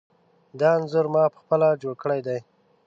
دا انځور ما پخپله جوړ کړی دی.